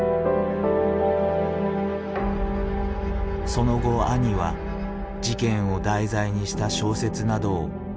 その後兄は事件を題材にした小説などを次々と出版していった。